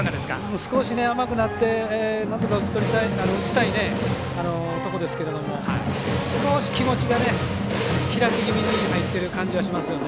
少し甘くなってなんとか打ちたいとこですけども少し気持ちが開き気味に入ってる感じはしますね。